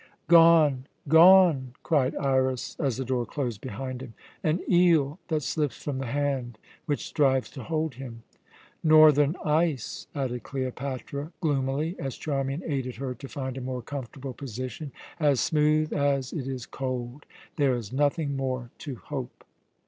"Gone gone!" cried Iras as the door closed behind him. "An eel that slips from the hand which strives to hold him." "Northern ice," added Cleopatra gloomily as Charmian aided her to find a more comfortable position. "As smooth as it is cold; there is nothing more to hope."